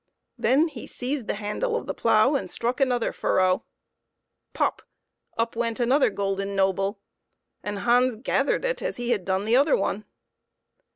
Then he seized the handle of the plough and struck another furrow pop! up went another golden noble, and Hans gathered it as he had done the other one.